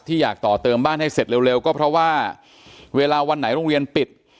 อยากต่อเติมบ้านให้เสร็จเร็วก็เพราะว่าเวลาวันไหนโรงเรียนปิด